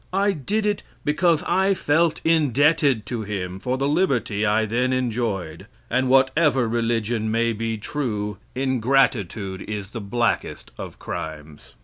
I did it because I felt indebted to him for the liberty I then enjoyed and whatever religion may be true, ingratitude is the blackest of crimes.